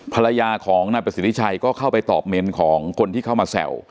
ภรรยาของนายประสิทธิชัยก็เข้าไปตอบเมนต์ของคนที่เข้ามาแซว